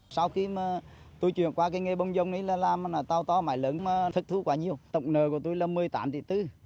sau khi tôi chuyển qua nghề bông dông làm tàu to mải lớn thất thú quá nhiều tổng nợ của tôi là một mươi tám tỷ tư